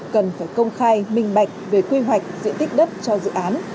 cần phải công khai minh bạch về quy hoạch diện tích đất cho dự án